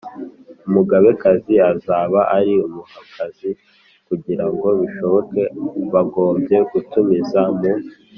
umugabekazi azaba ari umuhakazi Kugira ngo bishoboke bagombye gutumiza mu